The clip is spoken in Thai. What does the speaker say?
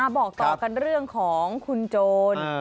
บอกต่อกันเรื่องของคุณโจร